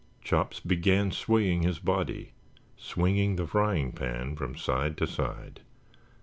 Chops began swaying his body, swinging the frying pan from side to side.